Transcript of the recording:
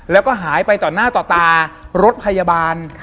แล้วก็หายไปต่อหน้าต่อตารถพยาบาล